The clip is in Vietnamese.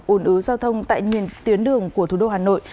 ồn ứ giao thông tại nguyên tuyến đường của thủ đô hà nội